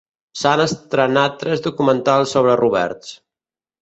S'han estrenat tres documentals sobre Roberts.